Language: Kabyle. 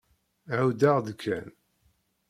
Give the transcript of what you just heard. Ɛuddeɣ-d kan.